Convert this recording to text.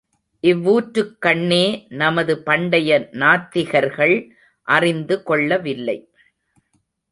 இவ்வூற்றுக் கண்ணே நமது பண்டைய நாத்திகர்கள் அறிந்து கொள்ளவில்லை.